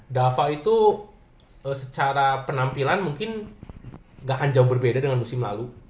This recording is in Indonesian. dava itu secara penampilan mungkin gak akan jauh berbeda dengan musim lalu